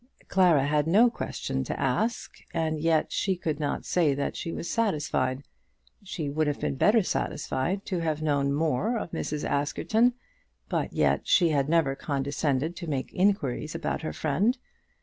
Clara had no question to ask, and yet she could not say that she was satisfied. She would have been better satisfied to have known more of Mrs. Askerton, but yet she had never condescended to make inquiries about her friend.